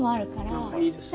何かいいですね。